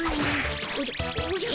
おじゃおじゃ？